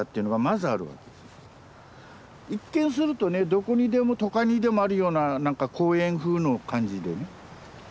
一見するとねどこにでも都会にでもあるようななんか公園風の感じでね。